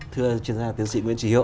thưa chuyên gia tiến sĩ nguyễn trí hiếu